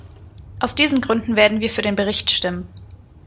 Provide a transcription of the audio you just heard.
Aus diesen Gründen werden wir für den Bericht stimmen.